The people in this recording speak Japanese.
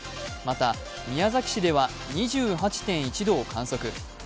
また宮崎市では２８．１度を観測。